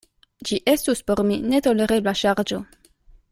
Ĝi estus por mi netolerebla ŝarĝo.